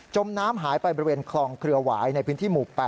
มน้ำหายไปบริเวณคลองเครือหวายในพื้นที่หมู่๘